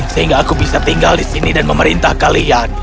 sehingga aku bisa tinggal di sini dan memerintah kalian